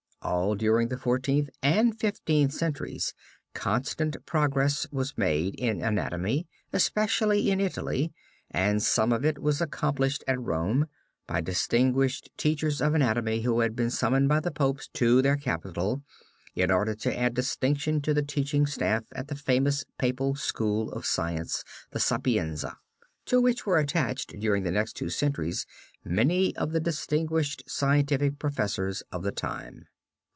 All during the Fourteenth and Fifteenth centuries constant progress was making in anatomy, especially in Italy, and some of it was accomplished at Rome by distinguished teachers of anatomy who had been summoned by the popes to their capital in order to add distinction to the teaching staff at the famous Papal School of Science, the Sapienza, to which were attached during the next two centuries many of the distinguished scientific professors of the time.